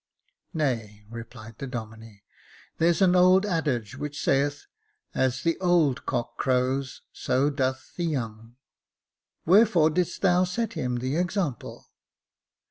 " Nay," replied the Domine, '* there's an old adage which saith, * As the old cock crows, so doth the young.' Wherefore didst thou set him the example